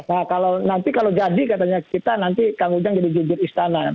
nah kalau nanti kalau jadi katanya kita nanti kang ujang jadi jujur istana